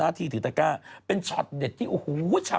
ใส่เสื้อก็ต้องใส่เสื้อคู่เนอะ